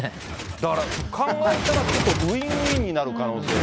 だから考えたら、ちょっとウィンウィンになる可能性が。